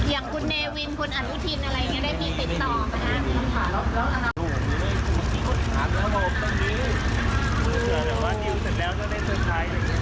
อย่างคุณเนวินคุณอนุทินอะไรอย่างนี้ได้มีติดต่อไหมคะ